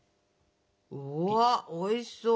うわおいしそう。